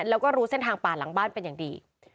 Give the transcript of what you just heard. แล้วก็รู้เส้นทางป่าหลังบ้านเป็นอย่างดี